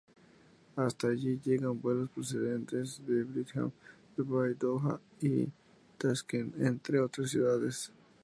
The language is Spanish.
Hasta allí llegan vuelos procedentes de Birmingham, Dubái, Doha y Tashkent, entre otras ciudades.